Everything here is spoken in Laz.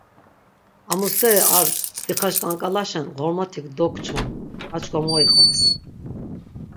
Amu steri ar dixaşk̆ank̆alaşen Ğormotik dogçvan, ar çkva mo iqvas.